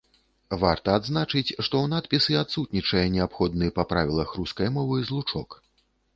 Варта адзначыць, што ў надпісы адсутнічае неабходны па правілах рускай мовы злучок.